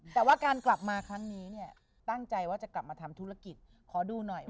แต่ว่ากลับมาครั้งนี้เนี่ยตั้งใจว่าจะกลับมาทำธุรกิจ